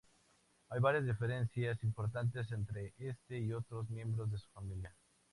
Hay varias diferencias importantes entre este y otros miembros de su familia.